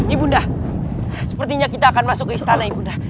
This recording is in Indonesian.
ibu bunda sepertinya kita akan masuk ke istana ibu bunda